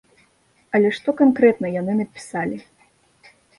Але што канкрэтна яны напісалі?